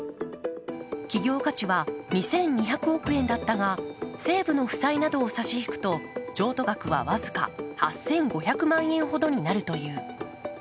企業価値は２２００億円だったが西武の負債などを差し引くと譲渡額は僅か８５００万円ほどになるという。